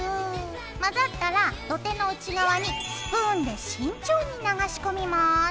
混ざったら土手の内側にスプーンで慎重に流し込みます。